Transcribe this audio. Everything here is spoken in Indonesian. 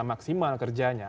bisa maksimal kerjanya